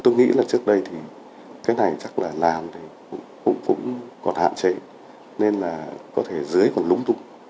tôi nghĩ là trước đây thì cái này chắc là làm thì cũng còn hạn chế nên là có thể dưới còn lúng tung